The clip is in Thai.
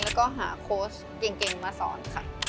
แล้วก็หาโค้ชเก่งมาสอนค่ะ